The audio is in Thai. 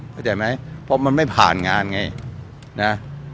เข้าใจไหมเพราะมันไม่ผ่านงานไงนะ